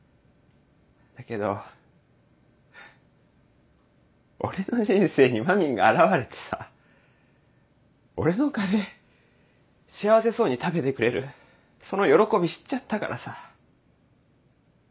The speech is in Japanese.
だけど俺の人生にまみんが現れてさ俺のカレー幸せそうに食べてくれるその喜び知っちゃったからさ。